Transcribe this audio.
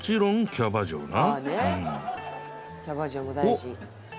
キャバ嬢も大事」